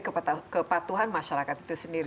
kepatuhan masyarakat itu sendiri